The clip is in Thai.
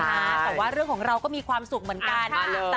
แต่ว่าเรื่องของเราก็มีความสุขเหมือนกัน